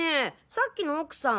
さっきの奥さん